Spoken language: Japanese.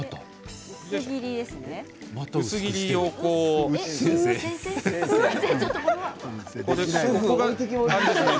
薄切りですね。